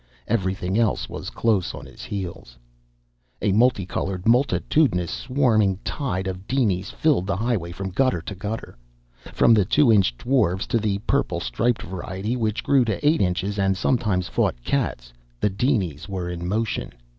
Everything else was close on his heels. A multicolored, multitudinous, swarming tide of dinies filled the highway from gutter to gutter. From the two inch dwarfs to the purple striped variety which grew to eight inches and sometimes fought cats, the dinies were in motion.